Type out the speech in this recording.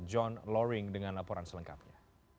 john loring dengan laporan selengkapnya